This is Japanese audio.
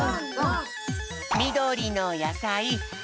みどりのやさいなに？